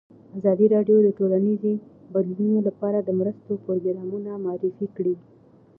ازادي راډیو د ټولنیز بدلون لپاره د مرستو پروګرامونه معرفي کړي.